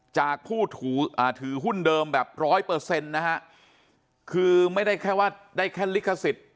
จากผู้ถือหุ้นเดิมแบบ๑๐๐นะฮะคือไม่ได้แค่ว่าได้แค่ลิขสิทธิ์